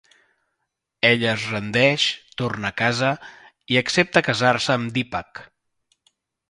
Ella es rendeix, torna a casa i accepta casar-se amb Deepak.